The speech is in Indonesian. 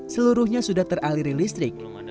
seluruhnya sudah teraliri listrik